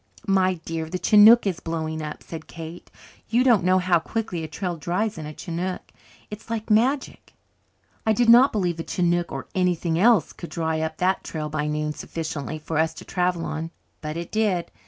"My dear; the chinook is blowing up," said Kate. "You don't know how quickly a trail dries in a chinook. It's like magic." I did not believe a chinook or anything else could dry up that trail by noon sufficiently for us to travel on. But it did.